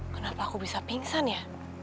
kenapa aku bisa pingsan ya